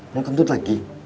mau kentut lagi